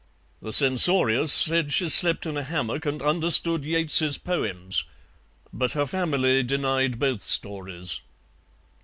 The censorious said she slept in a hammock and understood Yeats's poems, but her family denied both stories.